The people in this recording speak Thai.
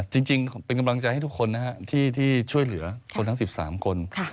จริงเป็นกำลังใจให้ทุกคนนะครับที่ช่วยเหลือคนทั้ง๑๓คน